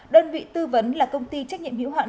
đơn vị tư vấn là công ty trách nhiệm hiểu hoạn